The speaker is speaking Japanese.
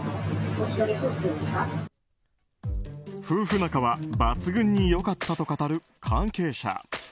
夫婦仲は抜群に良かったと語る関係者。